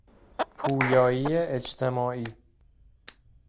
پویایی اجتماعی